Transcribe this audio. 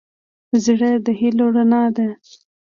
زړه د هيلو رڼا ده.